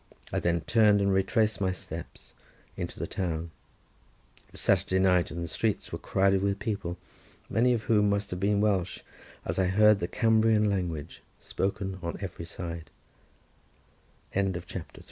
I then turned and retraced my steps into the town. It was Saturday night and the streets were crowded with people, many of whom must have been Welsh, as I heard the Cambrian language spoken on eve